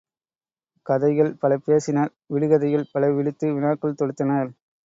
கதைகள் பல பேசினர் விடுகதைகள் பல விடுத்து வினாக்கள் தொடுத்தனர்.